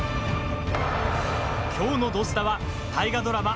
きょうの土スタは大河ドラマ